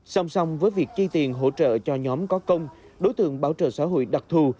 song song với việc chi tiền hỗ trợ cho nhóm có công đối tượng bảo trợ xã hội đặc thù